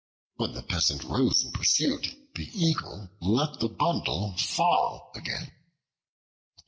When the Peasant rose in pursuit, the Eagle let the bundle fall again.